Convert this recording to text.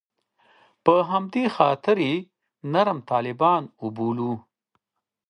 په همدې خاطر یې نرم طالبان وبولو.